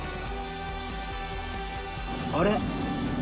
あれ。